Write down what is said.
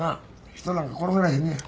人なんか殺されへんねや。